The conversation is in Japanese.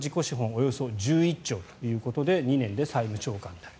およそ１１兆ということで２年で債務超過になる。